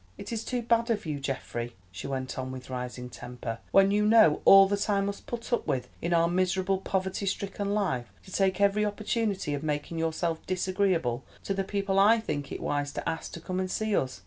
It is too bad of you, Geoffrey," she went on with rising temper, "when you know all that I must put up with in our miserable poverty stricken life, to take every opportunity of making yourself disagreeable to the people I think it wise to ask to come and see us.